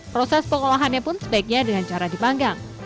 proses pengolahannya pun sebaiknya dengan cara dipanggang